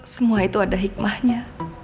semua itu ada hikmahnya